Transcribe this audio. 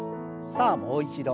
さあもう一度。